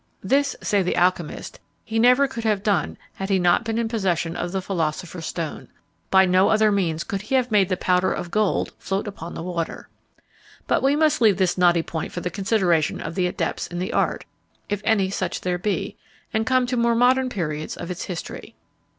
This, say the alchymists, he never could have done had he not been in possession of the philosopher's stone; by no other means could he have made the powder of gold float upon the water. But we must leave this knotty point for the consideration of the adepts in the art, if any such there be, and come to more modern periods of its history.